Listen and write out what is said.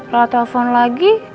rara telepon lagi